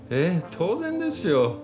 当然ですよ。